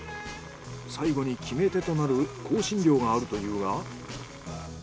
最後に決め手となる香辛料があるというが。